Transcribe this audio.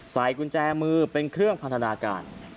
ใส่กุญแจมือเป็นเครื่องพันธนาการ